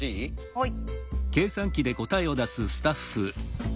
はい。